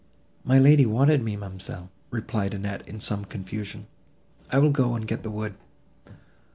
"My lady wanted me, ma'amselle," replied Annette in some confusion; "I will go and get the wood."